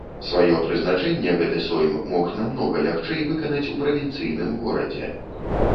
Сваё прызначэнне гэты сойм мог намнога лягчэй выканаць у правінцыйным горадзе.